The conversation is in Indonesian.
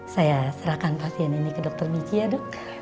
saya serahkan pasien ini ke dokter michi ya dok